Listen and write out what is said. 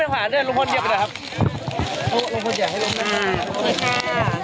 เข้าบนได้ไหมครับโค่บนลุยดีเปล่าอ่า